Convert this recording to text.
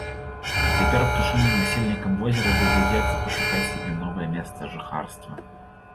Цяпер птушыным насельнікам возера давядзецца пашукаць сабе новае месца жыхарства.